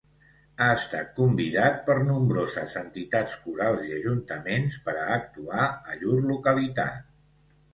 Ha estat convidat per nombroses entitats corals i Ajuntaments per a actuar a llur localitat.